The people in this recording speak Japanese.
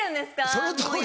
そのとおり。